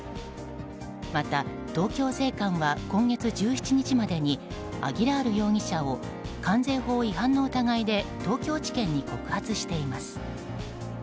また、東京税関は今月１７日までにアギラール容疑者を関税法違反の疑いで東京地検に告発しています。